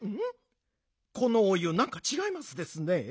このお湯なんかちがいますですね。